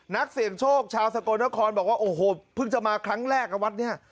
นักเสี่ยงโชคชาวสกลนครบอกว่าโอ้โหเพิ่งจะมาครั้งแรกกับวัดเนี่ย